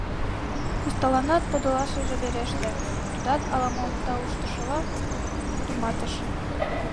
Кусталанат подылашыже вереште, тудат ала-мом тауштышыла вудыматыш.